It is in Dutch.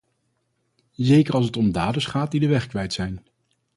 Zeker als het om daders gaat die de weg kwijt zijn.